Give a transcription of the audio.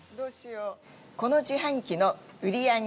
この自販機の売り上げ